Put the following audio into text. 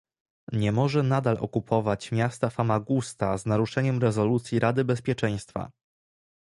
Nie może nadal okupować miasta Famagusta z naruszeniem rezolucji Rady Bezpieczeństwa